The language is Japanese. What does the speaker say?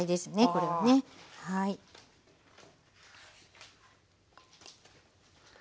これはね。はあ。